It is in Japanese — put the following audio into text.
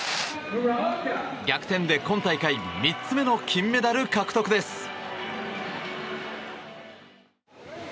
逆転で今大会３つ目の金メダル獲得です。